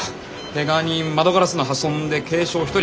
けが人窓ガラスの破損で軽傷１人。